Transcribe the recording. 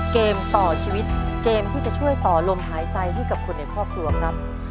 เกมต่อชีวิตเกมที่จะช่วยต่อลมหายใจให้กับคนในครอบครัวครับ